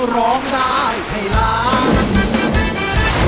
ร้องได้ให้ล้าน